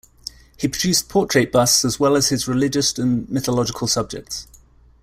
He produced portrait busts as well as his religious and mythological subjects.